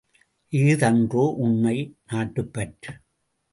இஃதன்றோ உண்மை நாட்டுப்பற்று!